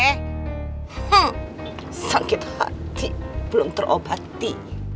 hmm sakit hati belum terobati